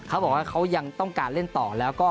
เขาบอกว่าเขายังต้องการเล่นต่อแล้วก็